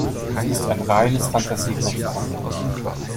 Sie ist ein reines Fantasiekonstrukt.